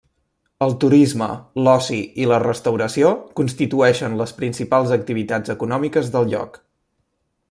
El turisme, l'oci i la restauració constituïxen les principals activitats econòmiques del lloc.